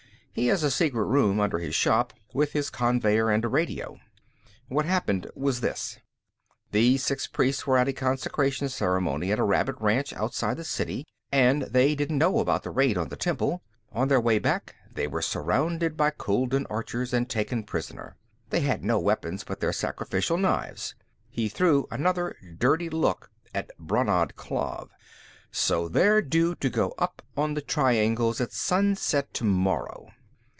He has a secret room under his shop, with his conveyer and a radio. "What happened was this: These six priests were at a consecration ceremony at a rabbit ranch outside the city, and they didn't know about the raid on the temple. On their way back, they were surrounded by Chuldun archers and taken prisoner. They had no weapons but their sacrificial knives." He threw another dirty look at Brannad Klav. "So they're due to go up on the triangles at sunset tomorrow."